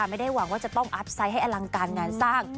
ไม่ได้หวังว่าจะต้องอัพไซต์ให้อลังการงานสร้าง